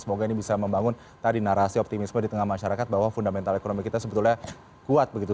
semoga ini bisa membangun tadi narasi optimisme di tengah masyarakat bahwa fundamental ekonomi kita sebetulnya kuat begitu